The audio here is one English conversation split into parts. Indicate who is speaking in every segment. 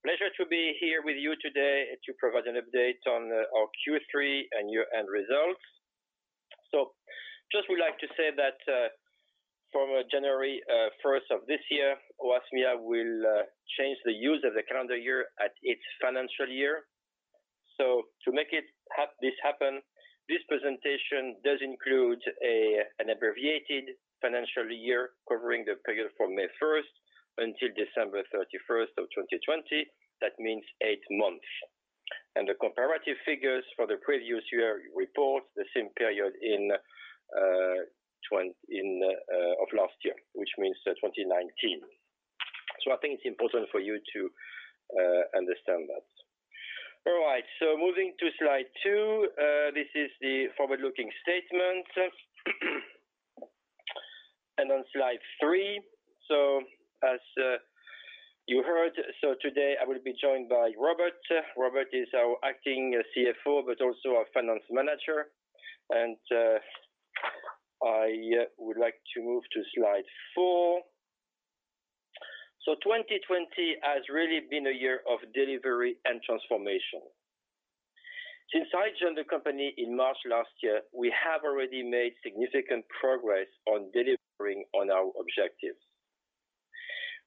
Speaker 1: Pleasure to be here with you today to provide an update on our Q3 and year-end results. Just would like to say that from January 1st of this year, Oasmia will change the use of the calendar year at its financial year. To make this happen, this presentation does include an abbreviated financial year covering the period from May 1st until December 31st of 2020. That means eight months. The comparative figures for the previous year report the same period of last year, which means 2019. I think it's important for you to understand that. All right. Moving to slide two. This is the forward-looking statement. On slide three, as you heard, today I will be joined by Robert. Robert is our acting CFO, but also our Finance Manager. I would like to move to slide four. 2020 has really been a year of delivery and transformation. Since I joined the company in March last year, we have already made significant progress on delivering on our objectives.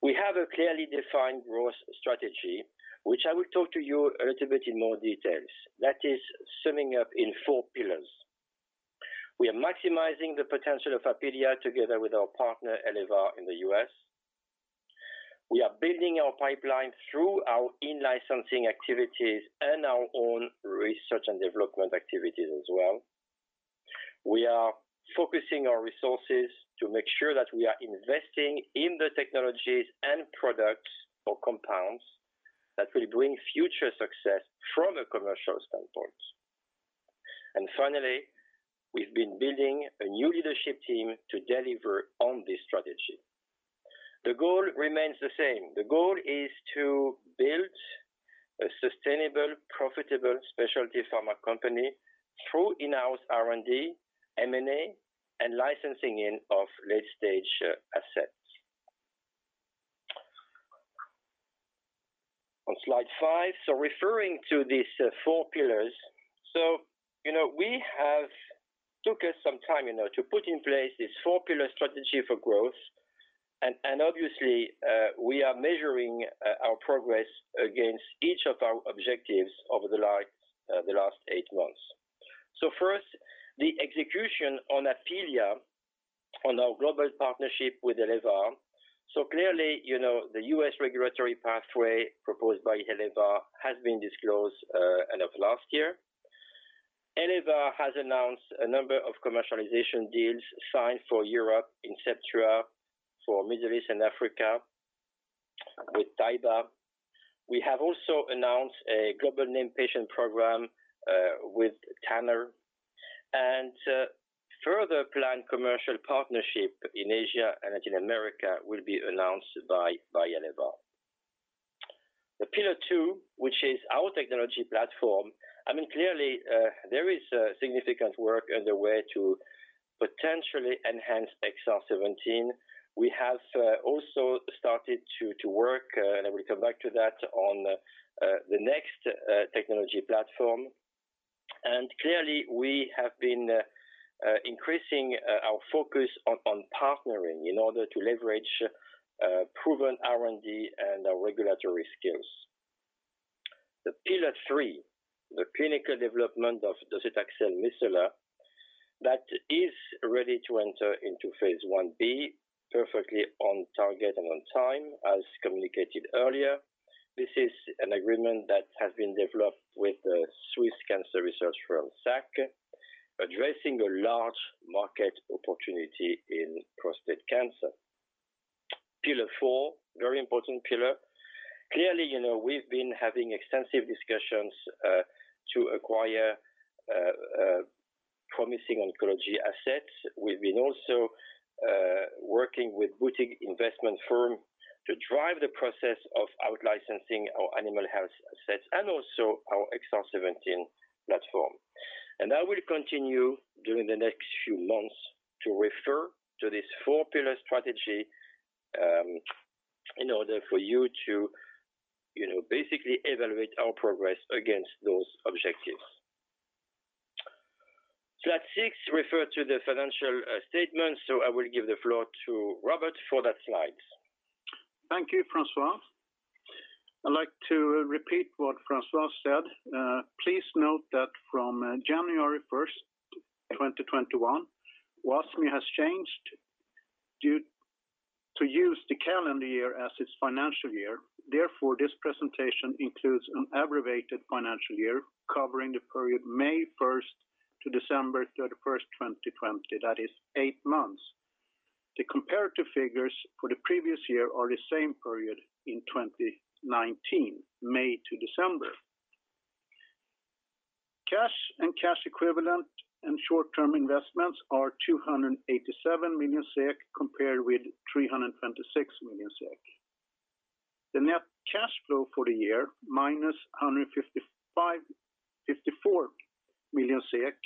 Speaker 1: We have a clearly defined growth strategy, which I will talk to you a little bit in more details. That is summing up in four pillars. We are maximizing the potential of Apealea together with our partner, Elevar, in the U.S. We are building our pipeline through our in-licensing activities and our own research and development activities as well. We are focusing our resources to make sure that we are investing in the technologies and products or compounds that will bring future success from a commercial standpoint. Finally, we've been building a new leadership team to deliver on this strategy. The goal remains the same. The goal is to build a sustainable, profitable specialty pharma company through in-house R&D, M&A, and licensing in of late-stage assets. On slide five, referring to these four pillars. We have took us some time to put in place this four-pillar strategy for growth. Obviously, we are measuring our progress against each of our objectives over the last eight months. First, the execution on Apealea on our global partnership with Elevar. Clearly, the U.S. regulatory pathway proposed by Elevar has been disclosed end of last year. Elevar has announced a number of commercialization deals signed for Europe, Inceptua, for Middle East and Africa with Taiba. We have also announced a global named patient program with Tanner, and further planned commercial partnership in Asia and Latin America will be announced by Elevar. The pillar two, which is our technology platform. Clearly, there is significant work underway to potentially enhance XR-17. We have also started to work, and I will come back to that, on the next technology platform. Clearly, we have been increasing our focus on partnering in order to leverage proven R&D and regulatory skills. The pillar three, the clinical development of docetaxel micellar, that is ready to enter into phase I-B, perfectly on target and on time, as communicated earlier. This is an agreement that has been developed with the Swiss cancer research firm, SAKK, addressing a large market opportunity in prostate cancer. Pillar four, very important pillar. Clearly, we've been having extensive discussions to acquire promising oncology assets. We've been also working with boutique investment firm to drive the process of out-licensing our animal health assets and also our XR-17 platform. I will continue during the next few months to refer to this four-pillar strategy in order for you to basically evaluate our progress against those objectives. Slide six refers to the financial statements, I will give the floor to Robert for that slide.
Speaker 2: Thank you, François. I'd like to repeat what François said. Please note that from January 1st, 2021, Oasmia has changed to use the calendar year as its financial year. Therefore, this presentation includes an abbreviated financial year covering the period May 1st to December 31st, 2020. That is eight months. The comparative figures for the previous year are the same period in 2019, May to December. Cash and cash equivalent and short-term investments are 287 million SEK, compared with 326 million SEK. The net cash flow for the year, minus 154 million SEK.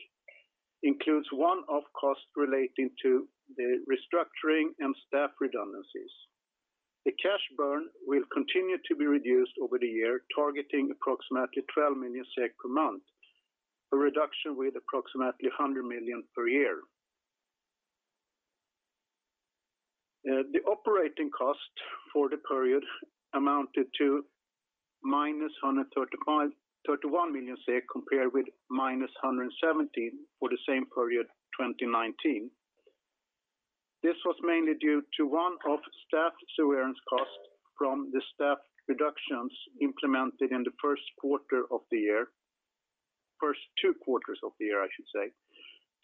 Speaker 2: Includes one-off costs relating to the restructuring and staff redundancies. The cash burn will continue to be reduced over the year, targeting approximately 12 million SEK per month, a reduction with approximately 100 million per year. The operating cost for the period amounted to minus 131 million, compared with minus 117 for the same period 2019. This was mainly due to one-off staff severance costs from the staff reductions implemented in the first quarter of the year. First two quarters of the year, I should say.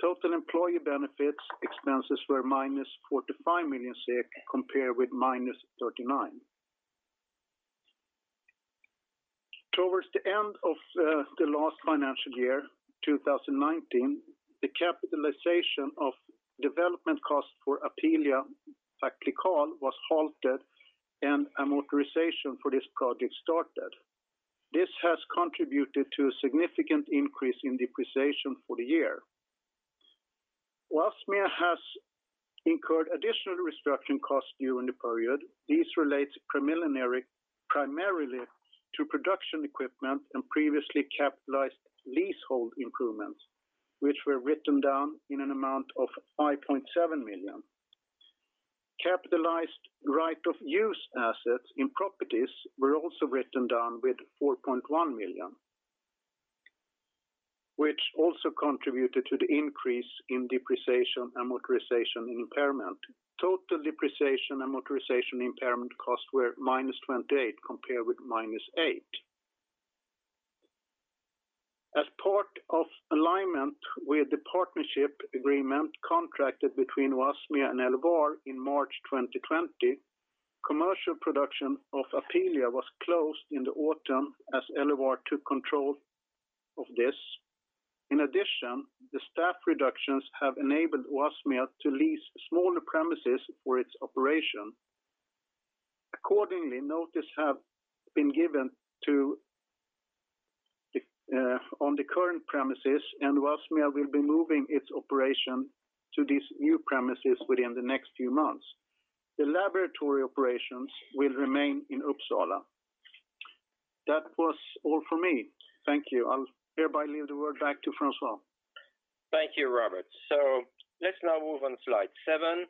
Speaker 2: Total employee benefits expenses were minus 45 million, compared with minus 39 million. Towards the end of the last financial year, 2019, the capitalization of development costs for Apealea, Paclical, was halted, and amortization for this project started. This has contributed to a significant increase in depreciation for the year. Oasmia has incurred additional restructuring costs during the period. These related primarily to production equipment and previously capitalized leasehold improvements, which were written down in an amount of 5.7 million. Capitalized right of use assets in properties were also written down with 4.1 million, which also contributed to the increase in depreciation and amortization impairment. Total depreciation and amortization impairment costs were minus 28 million, compared with minus 8 million. As part of alignment with the partnership agreement contracted between Oasmia and Elevar in March 2020, commercial production of Apealea was closed in the autumn as Elevar took control of this. In addition, the staff reductions have enabled Oasmia to lease smaller premises for its operation. Accordingly, notice have been given on the current premises, and Oasmia will be moving its operation to these new premises within the next few months. The laboratory operations will remain in Uppsala. That was all from me. Thank you. I'll hereby leave the word back to François.
Speaker 1: Thank you, Robert. Let's now move on slide seven.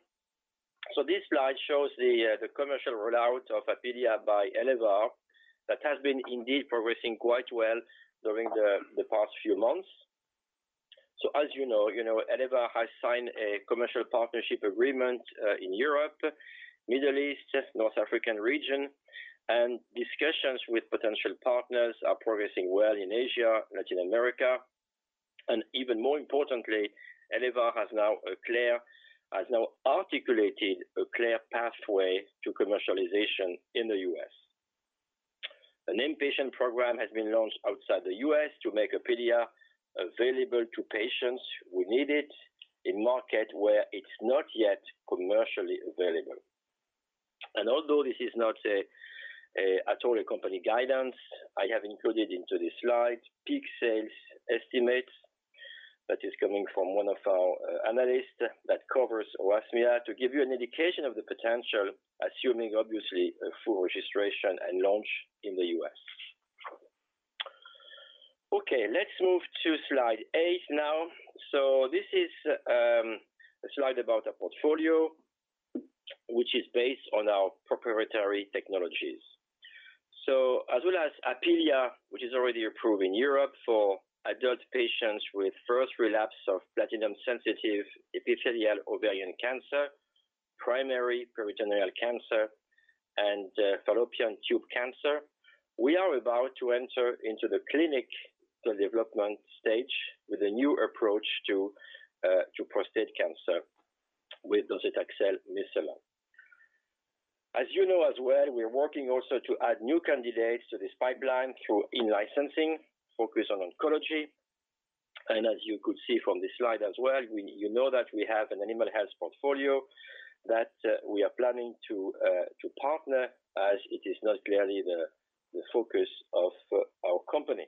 Speaker 1: This slide shows the commercial rollout of Apealea by Elevar that has been indeed progressing quite well during the past few months. As you know, Elevar has signed a commercial partnership agreement in Europe, Middle East, North African region, and discussions with potential partners are progressing well in Asia, Latin America. Even more importantly, Elevar has now articulated a clear pathway to commercialization in the U.S. A named patient program has been launched outside the U.S. to make Apealea available to patients who need it in market where it's not yet commercially available. Although this is not at all a company guidance, I have included into this slide peak sales estimates that is coming from one of our analysts that covers Oasmia to give you an indication of the potential, assuming obviously a full registration and launch in the U.S. Okay, let's move to slide eight now. This is a slide about our portfolio, which is based on our proprietary technologies. As well as Apealea, which is already approved in Europe for adult patients with first relapse of platinum-sensitive epithelial ovarian cancer, primary peritoneal cancer, and fallopian tube cancer. We are about to enter into the clinical development stage with a new approach to prostate cancer with docetaxel micellar. As you know as well, we're working also to add new candidates to this pipeline through in-licensing focused on oncology. As you could see from this slide as well, you know that we have an animal health portfolio that we are planning to partner as it is not clearly the focus of our company.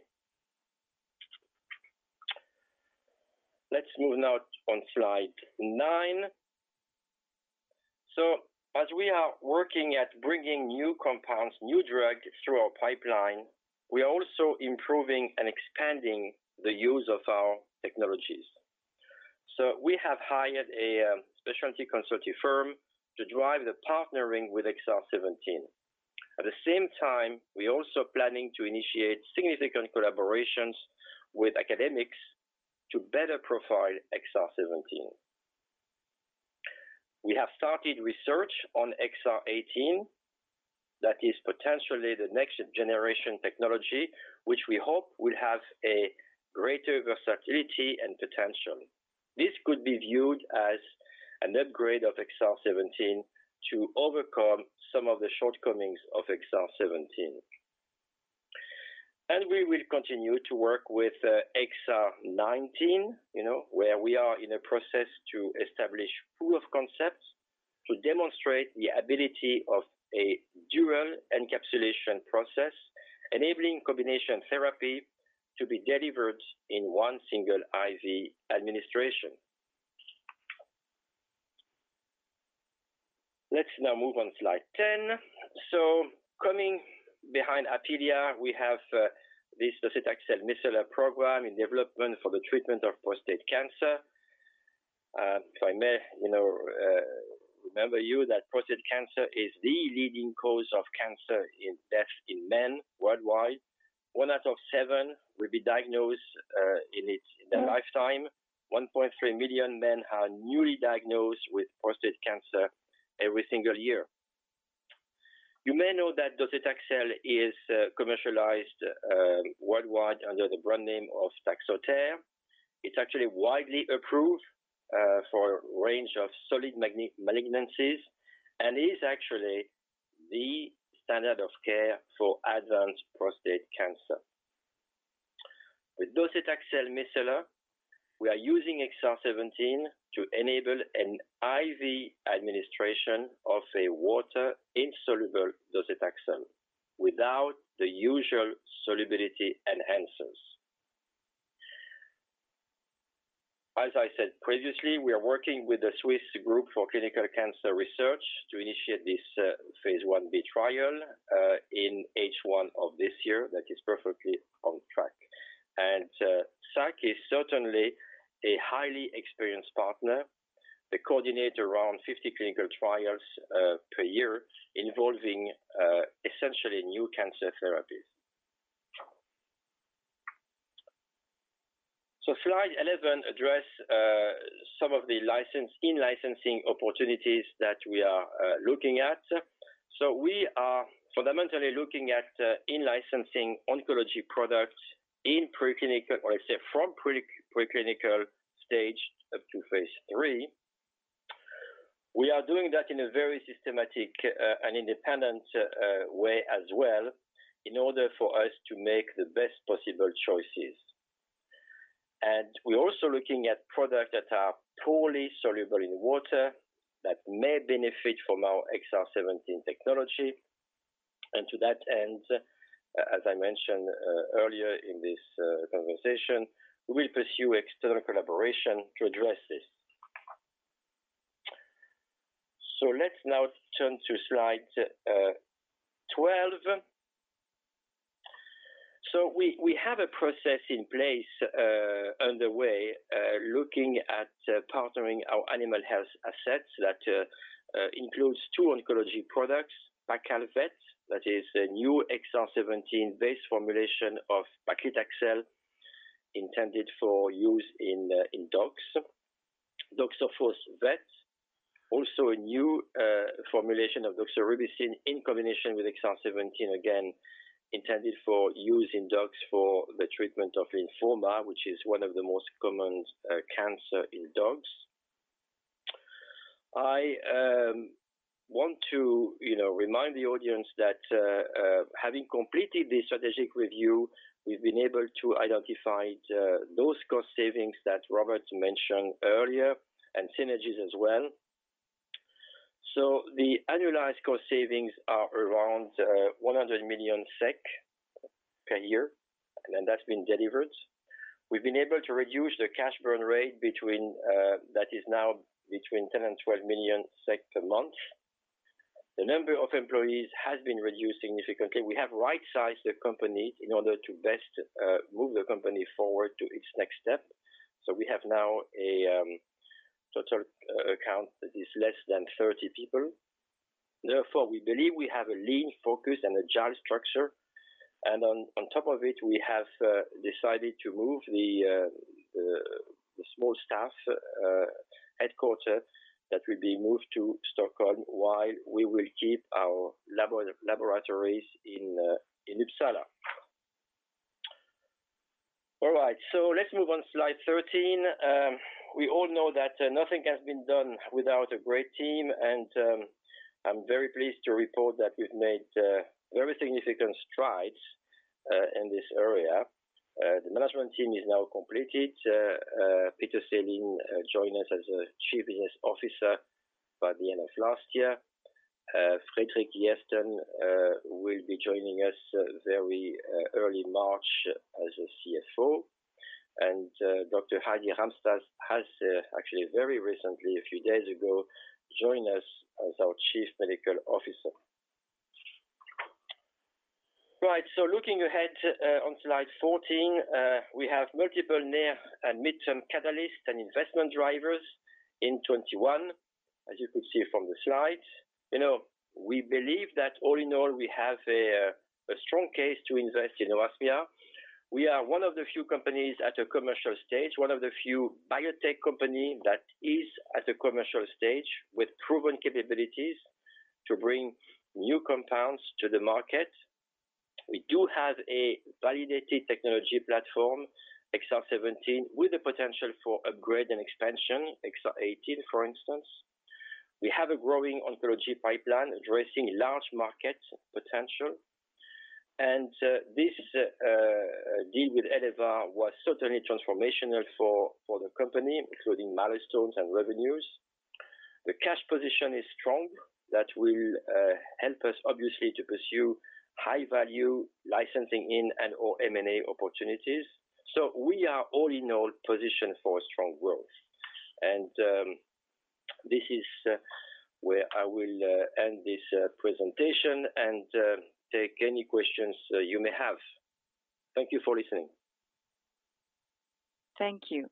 Speaker 1: Let's move now on slide nine. As we are working at bringing new compounds, new drug through our pipeline, we are also improving and expanding the use of our technologies. We have hired a specialty consulting firm to drive the partnering with XR17. At the same time, we also planning to initiate significant collaborations with academics to better profile XR17. We have started research on XR18, that is potentially the next generation technology, which we hope will have a greater versatility and potential. This could be viewed as an upgrade of XR17 to overcome some of the shortcomings of XR17. We will continue to work with XR19, where we are in a process to establish proof of concept. To demonstrate the ability of a dual encapsulation process, enabling combination therapy to be delivered in one single IV administration. Let's now move on. Slide 10. Coming behind Apealea, we have this docetaxel micellar program in development for the treatment of prostate cancer. If I may remind you that prostate cancer is the leading cause of cancer death in men worldwide. One out of seven will be diagnosed in their lifetime. 1.3 million men are newly diagnosed with prostate cancer every single year. You may know that docetaxel is commercialized worldwide under the brand name of Taxotere. It's actually widely approved for a range of solid malignancies and is actually the standard of care for advanced prostate cancer. With docetaxel micellar, we are using XR-17 to enable an IV administration of a water-insoluble docetaxel without the usual solubility enhancers. As I said previously, we are working with SAKK to initiate this phase I-B trial in H1 of this year. That is perfectly on track. SAKK is certainly a highly experienced partner. They coordinate around 50 clinical trials per year involving essentially new cancer therapies. Slide 11 addresses some of the in-licensing opportunities that we are looking at. We are fundamentally looking at in-licensing oncology products from the preclinical stage up to phase III. We are doing that in a very systematic and independent way as well in order for us to make the best possible choices. We're also looking at products that are poorly soluble in water that may benefit from our XR-17 technology. To that end, as I mentioned earlier in this conversation, we will pursue external collaboration to address this. Let's now turn to slide 12. We have a process in place underway looking at partnering our animal health assets. That includes two oncology products, Paccal Vet, that is a new XR-17-based formulation of paclitaxel intended for use in dogs. Doxophos Vet, also a new formulation of doxorubicin in combination with XR-17, again, intended for use in dogs for the treatment of lymphoma, which is one of the most common cancers in dogs. I want to remind the audience that having completed the strategic review, we've been able to identify those cost savings that Robert mentioned earlier and synergies as well. The annualized cost savings are around 100 million SEK per year, and that's been delivered. We've been able to reduce the cash burn rate. That is now between 10 million and 12 million per month. The number of employees has been reduced significantly. We have right-sized the company in order to best move the company forward to its next step. We have now a total count that is less than 30 people. Therefore, we believe we have a lean, focused, and agile structure. On top of it, we have decided to move the small staff headquarter that will be moved to Stockholm while we will keep our laboratories in Uppsala. All right, let's move on slide 13. We all know that nothing has been done without a great team, and I'm very pleased to report that we've made very significant strides in this area. The management team is now completed. Peter Selin joined us as a chief business officer by the end of last year. Fredrik Järrsten will be joining us very early March as a CFO, and Dr Heidi Ramstad has actually very recently, a few days ago, joined us as our chief medical officer. Right, looking ahead on slide 14, we have multiple near and midterm catalysts and investment drivers in 2021, as you could see from the slide. We believe that all in all, we have a strong case to invest in Oasmia. We are one of the few companies at a commercial stage, one of the few biotech company that is at a commercial stage with proven capabilities to bring new compounds to the market. We do have a validated technology platform, XR17, with the potential for upgrade and expansion, XR18, for instance. We have a growing oncology pipeline addressing large market potential. This deal with Elevar was certainly transformational for the company, including milestones and revenues. The cash position is strong. That will help us obviously to pursue high-value licensing in and/or M&A opportunities. We are all in all positioned for strong growth. This is where I will end this presentation and take any questions you may have. Thank you for listening.
Speaker 3: Thank you.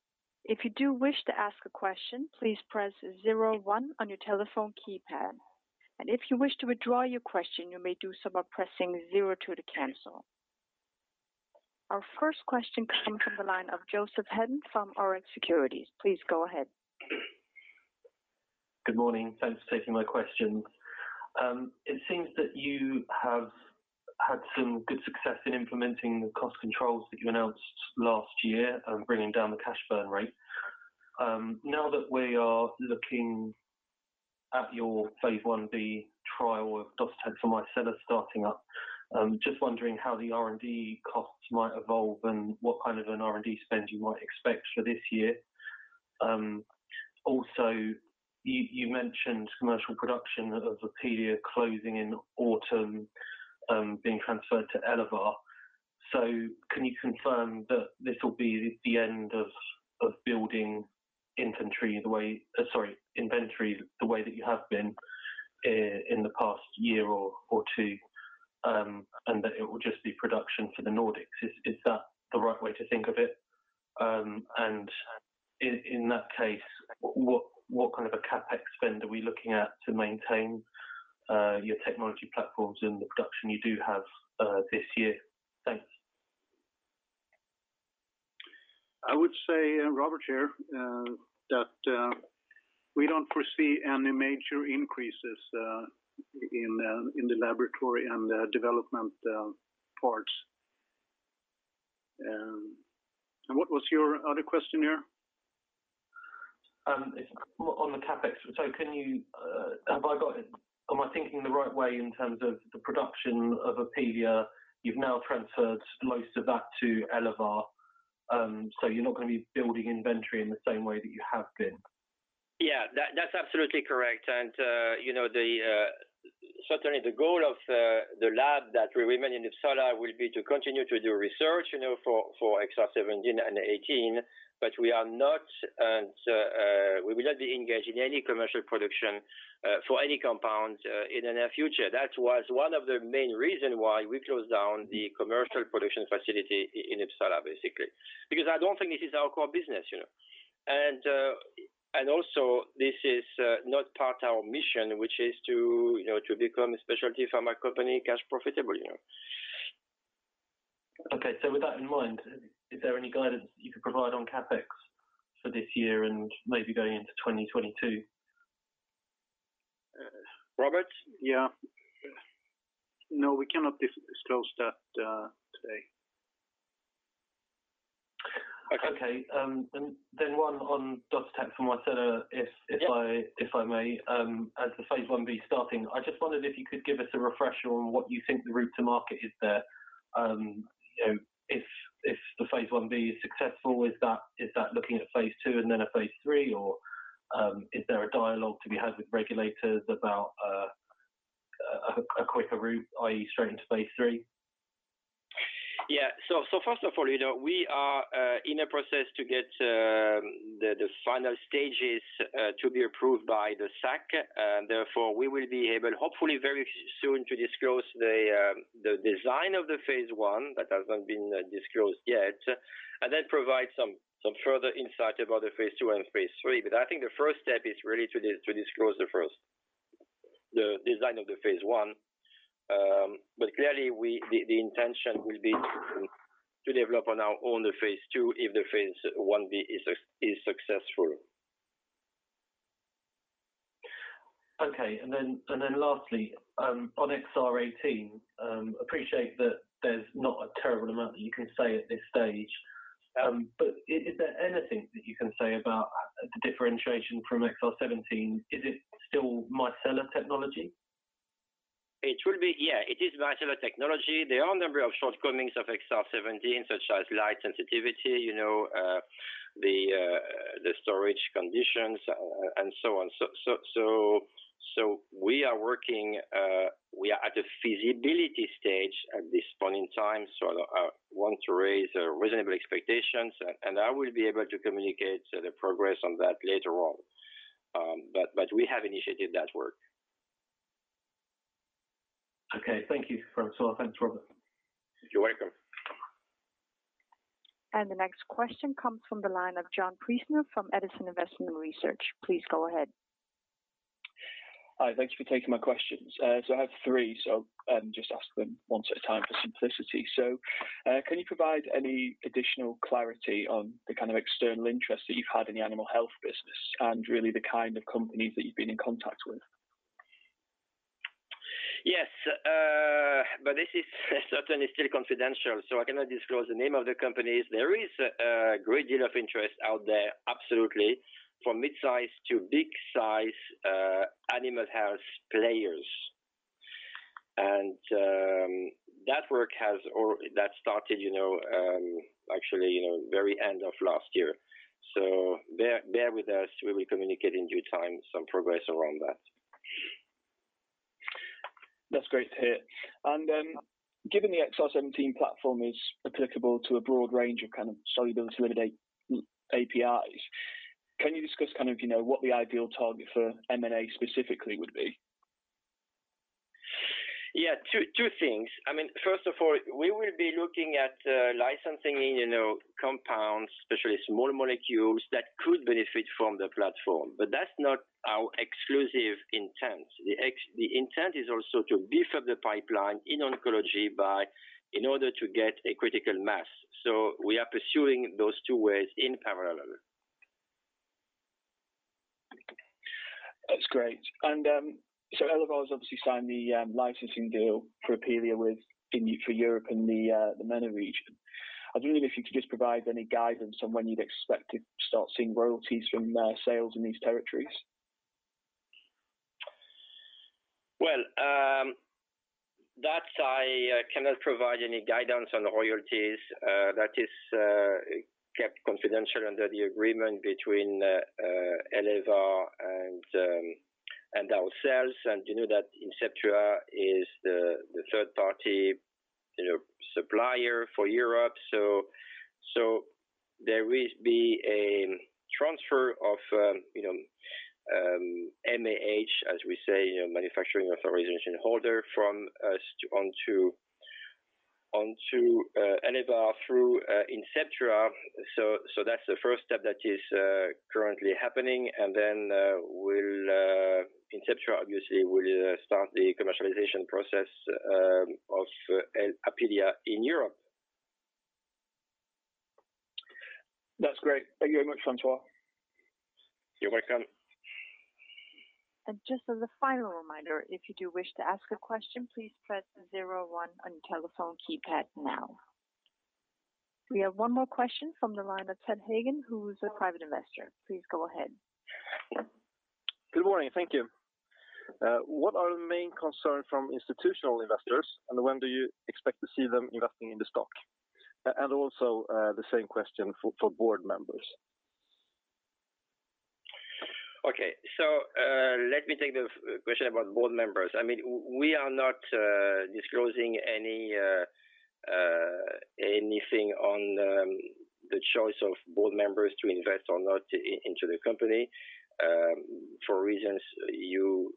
Speaker 3: If you do wish to ask a question, please press zero one on your telephone keypad. If you wish to withdraw your question, you may do so by pressing zero two to cancel. Our first question comes from the line of Joseph Hedden from Rx Securities. Please go ahead.
Speaker 4: Good morning. Thanks for taking my questions. It seems that you have had some good success in implementing the cost controls that you announced last year and bringing down the cash burn rate. Now that we are looking at your phase I-B trial of docetaxel micellar starting up, just wondering how the R&D costs might evolve and what kind of an R&D spend you might expect for this year. You mentioned commercial production of Apealea closing in autumn, being transferred to Elevar. Can you confirm that this will be the end of building inventory the way that you have been in the past year or two, and that it will just be production for the Nordics? Is that the right way to think of it? In that case, what kind of a CapEx spend are we looking at to maintain your technology platforms and the production you do have this year? Thanks.
Speaker 2: I would say, Robert here, that we don't foresee any major increases in the laboratory and development parts. What was your other question there?
Speaker 4: On the CapEx, am I thinking the right way in terms of the production of Apealea? You've now transferred most of that to Elevar, so you're not going to be building inventory in the same way that you have been.
Speaker 1: Yeah, that's absolutely correct. Certainly the goal of the lab that remain in Uppsala will be to continue to do research for XR17 and XR18. We will not be engaged in any commercial production for any compound in the near future. That was one of the main reason why we closed down the commercial production facility in Uppsala, basically. I don't think this is our core business. Also this is not part of our mission, which is to become a specialty pharma company, cash profitable.
Speaker 4: Okay. With that in mind, is there any guidance you could provide on CapEx for this year and maybe going into 2022?
Speaker 1: Robert?
Speaker 2: Yeah. No, we cannot disclose that today.
Speaker 4: Okay. One on docetaxel micellar.
Speaker 1: Yeah
Speaker 4: If I may. As the phase I-B starting, I just wondered if you could give us a refresher on what you think the route to market is there. If the phase I-B is successful, is that looking at phase II and then a phase III, or is there a dialogue to be had with regulators about a quicker route, i.e., straight into phase III?
Speaker 1: First of all, we are in a process to get the final stages to be approved by the SAKK, we will be able, hopefully very soon, to disclose the design of the phase I that hasn't been disclosed yet, provide some further insight about the phase II and phase III. I think the first step is really to disclose the design of the phase I. Clearly the intention will be to develop on our own the phase II if the phase I-B is successful.
Speaker 4: Okay. Lastly, on XR18, appreciate that there's not a terrible amount that you can say at this stage. Is there anything that you can say about the differentiation from XR17? Is it still micellar technology?
Speaker 1: It will be, yeah. It is micellar technology. There are a number of shortcomings of XR-17, such as light sensitivity the storage conditions and so on. We are working. We are at the feasibility stage at this point in time, so I don't want to raise reasonable expectations, and I will be able to communicate the progress on that later on. We have initiated that work.
Speaker 4: Okay. Thank you, François. Thanks, Robert.
Speaker 2: You're welcome.
Speaker 3: The next question comes from the line of John Priestner from Edison Investment Research. Please go ahead.
Speaker 5: Hi, thanks for taking my questions. I have three, so I'll just ask them one at a time for simplicity. Can you provide any additional clarity on the kind of external interest that you've had in the animal health business and really the kind of companies that you've been in contact with?
Speaker 1: Yes, this is certainly still confidential, so I cannot disclose the name of the companies. There is a great deal of interest out there, absolutely, from mid-size to big size animal health players. That work has started actually very end of last year. Bear with us. We will communicate in due time some progress around that.
Speaker 5: That's great to hear. Given the XR-17 platform is applicable to a broad range of kind of solubility APIs, can you discuss what the ideal target for M&A specifically would be?
Speaker 1: Yeah. Two things. First of all, we will be looking at licensing compounds, especially small molecules, that could benefit from the platform. That's not our exclusive intent. The intent is also to beef up the pipeline in oncology in order to get a critical mass. We are pursuing those two ways in parallel.
Speaker 5: That's great. Elevar's obviously signed the licensing deal for Apealea for Europe and the MENA region. I was wondering if you could just provide any guidance on when you'd expect to start seeing royalties from sales in these territories.
Speaker 1: Well, that I cannot provide any guidance on royalties. That is kept confidential under the agreement between Elevar and ourselves. You know that Inceptua is the third party supplier for Europe. There will be a transfer of MAH, as we say, manufacturing authorization holder, from us onto Elevar through Inceptua. That's the first step that is currently happening. Inceptua obviously will start the commercialization process of Apealea in Europe.
Speaker 5: That's great. Thank you very much, François.
Speaker 1: You're welcome.
Speaker 3: Just as a final reminder, if you do wish to ask a question, please press zero one on your telephone keypad now. We have one more question from the line of Ted Hagen, who is a private investor. Please go ahead.
Speaker 6: Good morning. Thank you. What are the main concern from institutional investors, and when do you expect to see them investing in the stock? Also, the same question for board members.
Speaker 1: Okay. Let me take the question about board members. We are not disclosing anything on the choice of board members to invest or not into the company for reasons you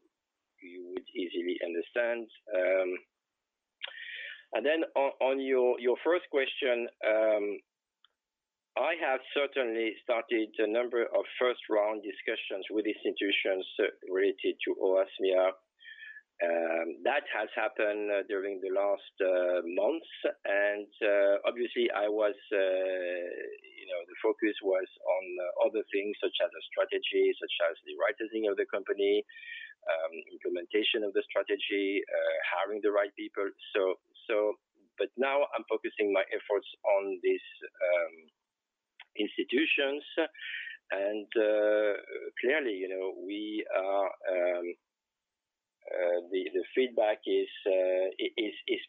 Speaker 1: would easily understand. On your first question, I have certainly started a number of first-round discussions with institutions related to Oasmia. That has happened during the last months. Obviously, the focus was on other things such as the strategy, such as the right sizing of the company, implementation of the strategy, hiring the right people. Now I'm focusing my efforts on these institutions. Clearly, the feedback is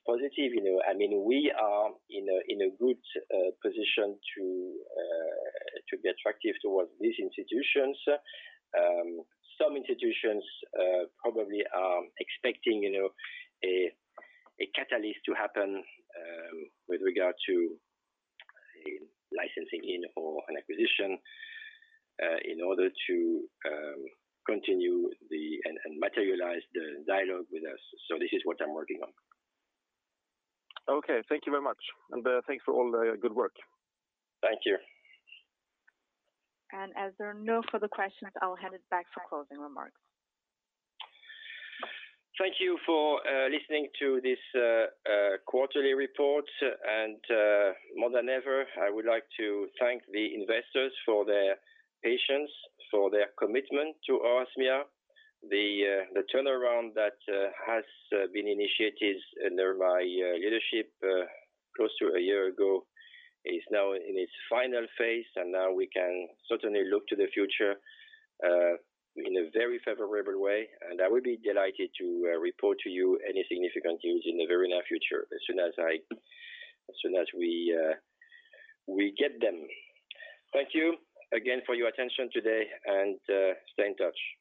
Speaker 1: positive. We are in a good position to be attractive towards these institutions. Some institutions probably are expecting a catalyst to happen with regard to licensing in or an acquisition in order to continue and materialize the dialogue with us. This is what I'm working on.
Speaker 6: Okay. Thank you very much. Thanks for all the good work.
Speaker 1: Thank you.
Speaker 3: As there are no further questions, I'll hand it back for closing remarks.
Speaker 1: Thank you for listening to this quarterly report. More than ever, I would like to thank the investors for their patience, for their commitment to Oasmia. The turnaround that has been initiated under my leadership close to a year ago is now in its final phase, now we can certainly look to the future in a very favorable way. I would be delighted to report to you any significant news in the very near future as soon as we get them. Thank you again for your attention today, stay in touch.